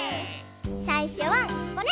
さいしょはこれ。